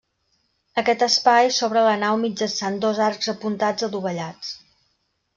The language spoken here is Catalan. Aquest espai s'obre a la nau mitjançant dos arcs apuntats adovellats.